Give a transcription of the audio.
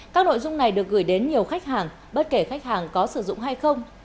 các nội dung này được gửi đến nhiều khách hàng bất kể khách hàng có sử dụng hay không